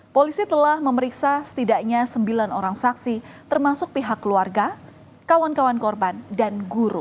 polisi telah memeriksa setidaknya sembilan orang saksi termasuk pihak keluarga kawan kawan korban dan guru